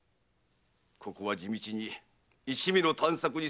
ここは地道に一味の探索に専念すべきです。